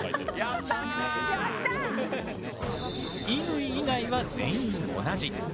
乾以外は全員同じ。